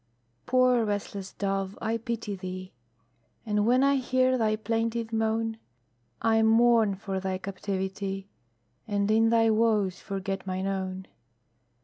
Poor restless dove, I pity thee; And when I hear thy plaintive moan, I mourn for thy captivity, And in thy woes forget mine own.